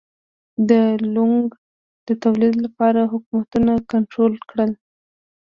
د لونګو د تولید لپاره حکومتونه کنټرول کړل.